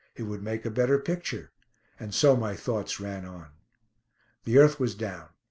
It would make a better picture. And so my thoughts ran on. The earth was down.